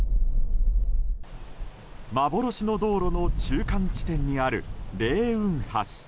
幻の道路の中間地点にある嶺雲橋。